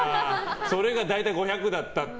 それが大体５００だったって。